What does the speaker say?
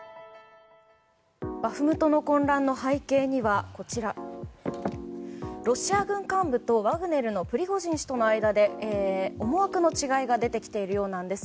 バフムトの混乱の背景にはロシア軍幹部とワグネルのプリゴジン氏との間で思惑の違いが出てきているようなんです。